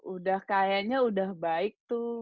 udah kayaknya udah baik tuh